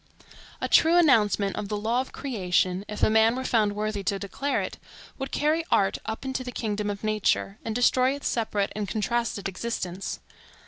A true announcement of the law of creation, if a man were found worthy to declare it, would carry art up into the kingdom of nature, and destroy its separate and contrasted existence.